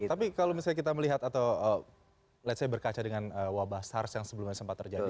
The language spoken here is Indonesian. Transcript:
tapi kalau misalnya kita melihat atau berkaca dengan wabah sars yang sebelumnya sempat terjadi